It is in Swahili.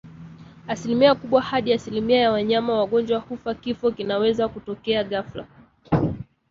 Asilimia kubwa hadi asilimia ya wanyama wagonjwa hufa Kifo kinaweza kutokea ghafla